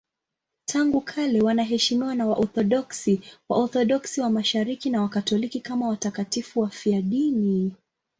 Tangu kale wanaheshimiwa na Waorthodoksi, Waorthodoksi wa Mashariki na Wakatoliki kama watakatifu wafiadini.